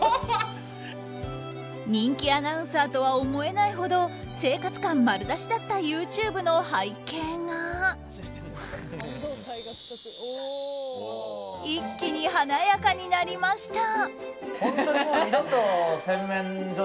人気アナウンサーとは思えないほど生活感丸出しだったＹｏｕＴｕｂｅの背景が一気に華やかになりました！